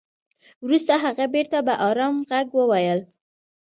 وروسته هغه بېرته په ارام ږغ وويل.